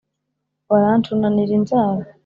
baranshunanira inzara